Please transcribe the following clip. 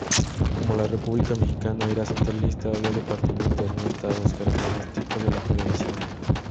Como la república mexicana era centralista, había departamentos, no estados –característicos de la federación.